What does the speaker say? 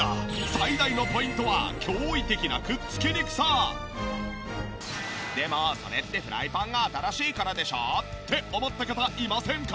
最大のポイントはでもそれってフライパンが新しいからでしょ？って思った方いませんか？